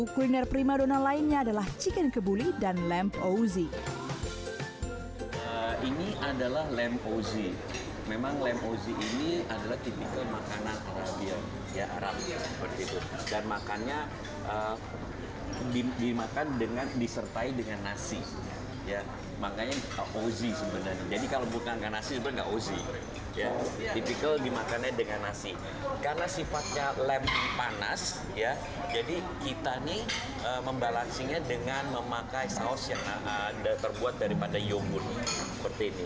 karena sifatnya lem ini panas jadi kita membalansinya dengan memakai saus yang terbuat daripada yoghurt